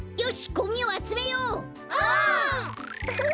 ウフフ。